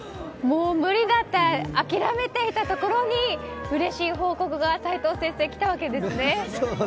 もう無理だって諦めていたところにうれしい報告が、齋藤先生きたわけですね。